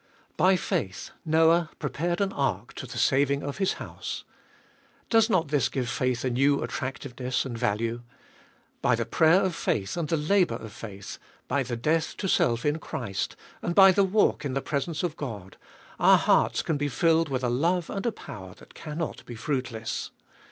By faith Noah prepared an ark to the saving of his house : does not this give faith a new attractiveness and value. By the prayer of faith and the labour of faith, by the death to self in Christ, and by the walk in the presence of God, our hearts can be filled with a love and a power that cannot be fruitless.